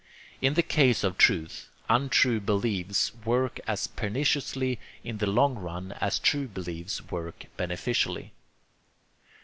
In the case of truth, untrue beliefs work as perniciously in the long run as true beliefs work beneficially.